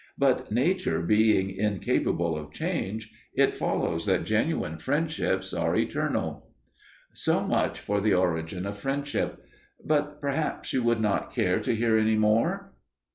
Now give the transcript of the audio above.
But nature being incapable of change, it follows that genuine friendships are eternal. So much for the origin of friendship. But perhaps you would not care to hear any more.